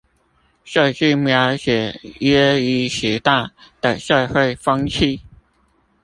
這是描寫耶一時代的社會風氣？